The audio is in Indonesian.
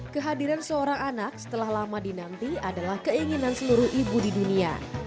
kehadiran seorang anak setelah lama dinanti adalah keinginan seluruh ibu di dunia